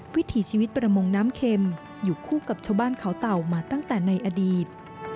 วิถีชีวิตประมงน้ำเข็มอยู่คู่กับชาวบ้านเขาเต่ามาตั้งแต่ในอดีต